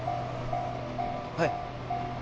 はい